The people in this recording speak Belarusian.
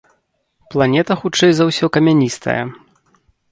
Планета хутчэй за ўсё камяністая.